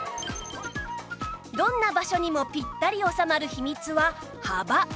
どんな場所にもピッタリ収まる秘密は幅